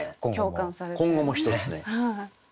今後も一つねぜひ。